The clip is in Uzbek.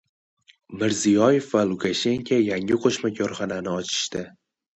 Mirziyoyev va Lukashenko yangi qo‘shma korxonani ochishdi